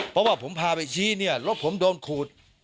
เพราะว่าผมพาไปชี้เนี่ยรถผมโดนขูด